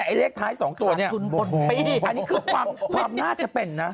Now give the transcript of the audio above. ไอ้เลขท้าย๒ตัวเนี่ยอันนี้คือความน่าจะเป็นนะ